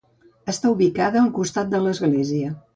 Està ubicada al costat de l'església.